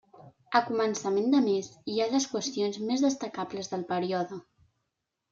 A començament de mes hi ha les qüestions més destacables del període.